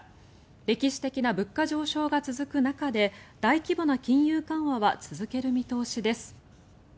歴史的な物価上昇が続く中で大規模な金融緩和は続ける見通しです。